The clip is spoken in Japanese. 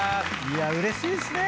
いやうれしいっすね！